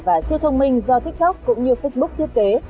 và siêu thông minh do tiktok cũng như facebook thiết kế